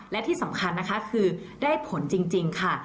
และที่สำคัญนะคะคือได้ผลจริงค่ะ